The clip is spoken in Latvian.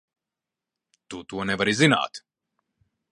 Tu to nevari zināt!